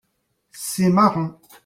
C'est marrant.